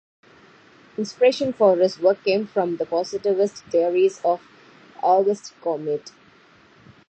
Inspiration for his work came from the positivist theories of Auguste Comte.